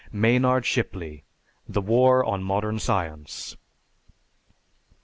_ MAYNARD SHIPLEY, "The War on Modern Science."